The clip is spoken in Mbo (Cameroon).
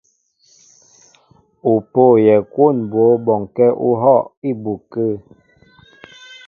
Ó pôyɛ kwón mbwǒ bɔŋkɛ̄ ú hɔ̂ á ibu kə̂.